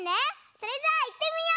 それじゃあいってみよう！